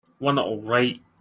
One that will write.